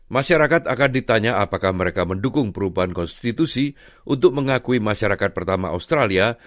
masyarakat akan ditanya apakah mereka mendukung perubahan konstitusi untuk mengakui masyarakat pertama australia